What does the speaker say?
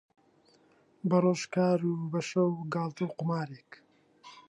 بەڕۆژ کار و بەشەو گاڵتە و قومارێک